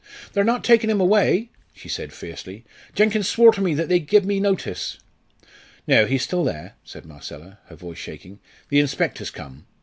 "They're not taking him away?" she said fiercely. "Jenkins swore to me they'd give me notice." "No, he's still there," said Marcella, her voice shaking. "The inspector's come.